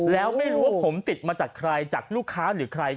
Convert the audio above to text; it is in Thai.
แล้วไม่รู้ว่าผมติดมาจากใครจากลูกค้าหรือใคร